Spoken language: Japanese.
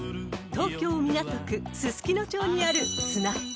［東京港区すすきの町にある］